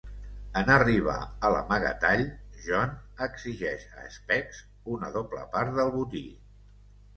En arribar a l'amagatall, John exigeix a Specs una doble part del botí.